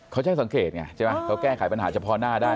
เขาแจ้งสังเกตไงเขาแก้ไขปัญหาเฉพาะหน้าได้